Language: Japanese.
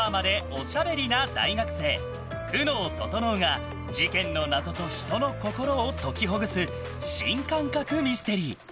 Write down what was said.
おしゃべりな大学生久能整が事件の謎と人の心を解きほぐす新感覚ミステリー。